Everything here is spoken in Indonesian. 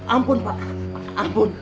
ampun pak ampun